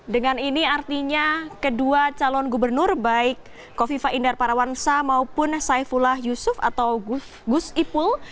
dengan ini artinya kedua calon gubernur baik kofifa indar parawansa maupun saifullah yusuf atau gus ipul